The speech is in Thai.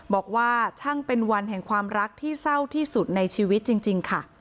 บอกว่าช่างเป็นวันแห่งความรักที่เศร้าที่สุดในชีวิตจริงค่ะ